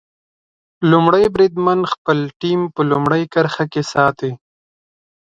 لومړی بریدمن د خپله ټیم په لومړۍ کرښه کې ساتي.